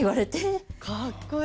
おおかっこいい。